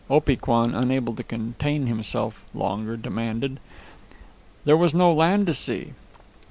Opee Kwan, unable to contain himself longer, demanded. "There was no land to see."